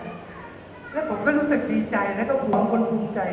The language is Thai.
แล้วผมรู้จักดีใจและหวังหวังภูมิใจ